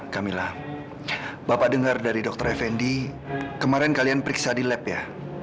kamila bapak dengar dari dr effendi kemarin kalian periksa di lab ya